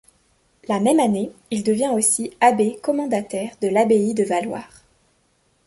La même année, Il devient aussi abbé commendataire de l'abbaye de Valloires.